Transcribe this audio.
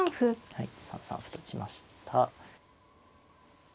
はい３三歩と打ちました。